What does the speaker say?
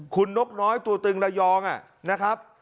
คุณนกน้อยตัวตึงระยองนะครับ